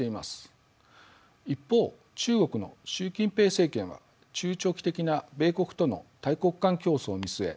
一方中国の習近平政権は中長期的な米国との大国間競争を見据え